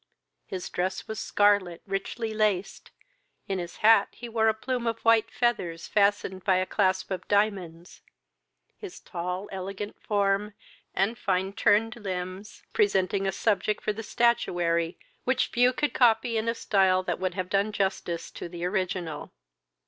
His dress was scarlet, richly laced: in his hat he wore a plume of white feathers, fastened by a clasp of diamonds, his tall elegant form and fine turned limbs presenting a subject for the statuary, which few could copy in a stile that would have done justice to the original.